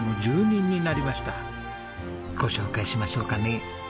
ご紹介しましょうかね。